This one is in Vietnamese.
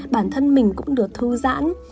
bản thân mình cũng được thư giãn